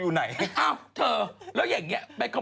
อือ